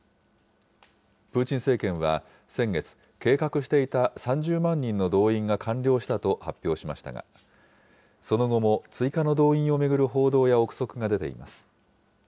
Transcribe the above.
プーチン政権は先月、計画していた３０万人の動員が完了したと発表しましたが、その後も追加の動員を巡る報道や臆測が出ています。